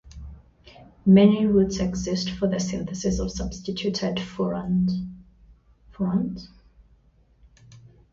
Many routes exist for the synthesis of substituted furans.